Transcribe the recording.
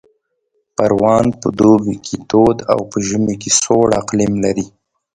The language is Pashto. پروان په دوبي کې تود او په ژمي کې سوړ اقلیم لري